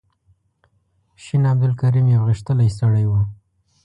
شین عبدالکریم یو غښتلی سړی و.